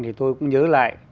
thì tôi cũng nhớ lại